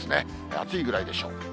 暑いぐらいでしょう。